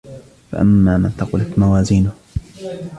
فَأَمَّا مَنْ ثَقُلَتْ مَوَازِينُهُ